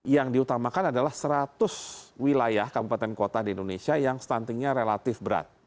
yang diutamakan adalah seratus wilayah kabupaten kota di indonesia yang stuntingnya relatif berat